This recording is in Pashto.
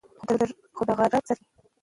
خو د غرۀ پۀ سر کښې